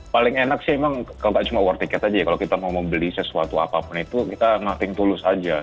paling enak sih emang kalau gak cuma war ticket aja ya kalau kita mau membeli sesuatu apapun itu kita nolting to lose aja